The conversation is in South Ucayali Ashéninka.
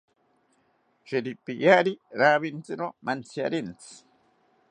Shiripiari rawintziro mantziarentsi